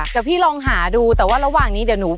แต่พี่ลองหาดูแต่ว่าระหว่างนี้เดี๋ยวหนู